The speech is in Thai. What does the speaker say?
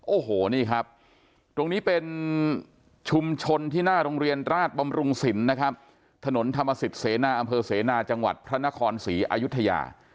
โอ้โหนี่ครับตรงนี้เป็นชุมชนที่หน้าโรงเรียนราชบำรุงศิลป์นะครับถนนธรรมสิทธิเสนาอำเภอเสนาจังหวัดพระนครศรีอายุทยา